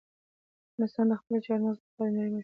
افغانستان د خپلو چار مغز لپاره په نړۍ کې مشهور دی.